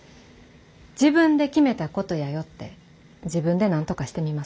自分で決めたことやよって自分でなんとかしてみます。